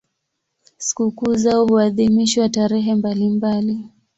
Sikukuu zao huadhimishwa tarehe mbalimbali.